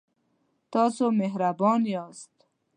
تاسو مهربان یاست